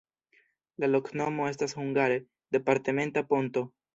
La loknomo estas hungare: departementa-ponto.